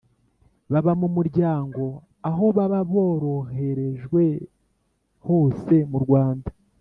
Baba mu muryango aho baba baroherejwe hose mu Rwanda